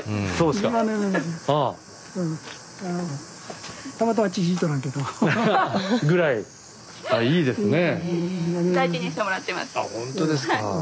そうですね。